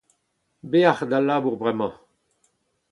Bec'h d'al labour bremañ !